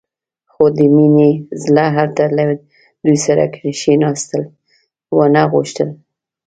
خو د مينې زړه هلته له دوی سره کښېناستل ونه غوښتل.